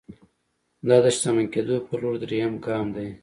دا د شتمن کېدو پر لور درېيم ګام دی.